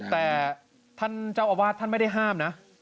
แต่ท่านเจ้าอาวาสท่านไม่ได้ห้ามนะ